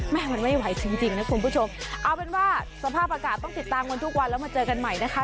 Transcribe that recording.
มันไม่ไหวจริงนะคุณผู้ชมเอาเป็นว่าสภาพอากาศต้องติดตามกันทุกวันแล้วมาเจอกันใหม่นะคะ